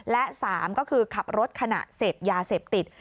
และ๓ก็คือขับรถขณะเสพยาเสพติด